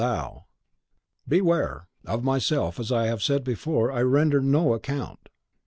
Thou " "Beware! Of myself, as I have said before, I render no account."